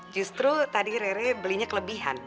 justru tadi rere belinya kelebihan